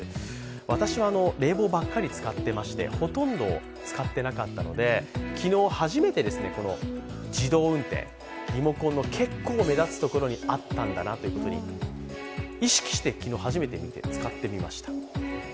私は冷房ばっかり使っていましてほとんど使っていなかったので、昨日、初めて自動運転、リモコンの結構目立つところにあったんだなと意識して昨日初めて使ってみました。